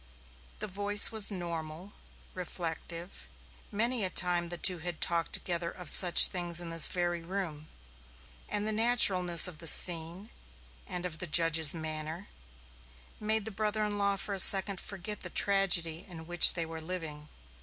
The voice was normal, reflective. Many a time the two had talked together of such things in this very room, and the naturalness of the scene, and of the judge's manner, made the brother in law for a second forget the tragedy in which they were living.